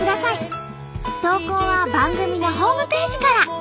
投稿は番組のホームページから。